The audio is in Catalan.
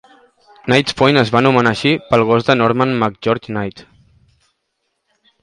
Knight's Point es va anomenar així pel gos de Norman McGeorge, Knight.